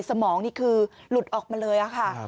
สมองนี่คือหลุดออกมาเลยค่ะ